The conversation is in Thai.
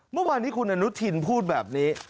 เมื่อวานที่คุณอนุทินพูดแบบนี้